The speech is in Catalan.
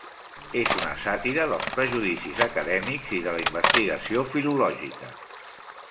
És una sàtira dels prejudicis acadèmics i de la investigació filològica.